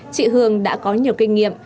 chị hường đã có nhiều kinh nghiệm